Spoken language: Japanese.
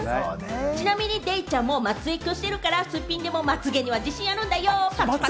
ちなみにデイちゃんもマツエクしているから、すっぴんでもまつげには自信があるんだよ。